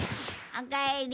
おかえり。